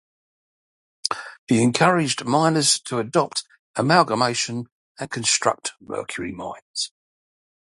He encouraged miners to adopt amalgamation and construct mercury mines.